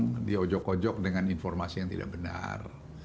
jangan di ojok ojok dengan informasi yang tidak benar